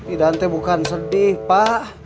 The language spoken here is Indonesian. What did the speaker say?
idante bukan sedih pak